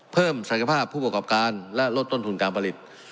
ศักยภาพผู้ประกอบการและลดต้นทุนการผลิต